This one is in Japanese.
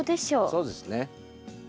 そうですね。